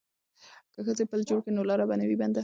که ښځې پل جوړ کړي نو لاره به نه وي بنده.